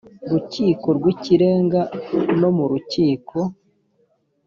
rukiko rw ikirenga no mu rukiko